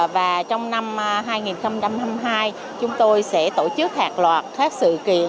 và trong năm hai nghìn hai mươi hai chúng tôi sẽ tổ chức hàng loạt các sự kiện